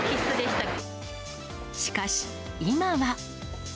しかし、今は。